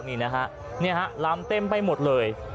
นี่นะฮะนี่ฮะลำเต็มไปหมดเลย